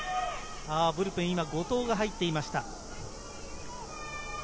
ブルペン、今、後藤が入っていました。